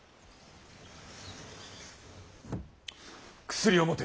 薬を持て。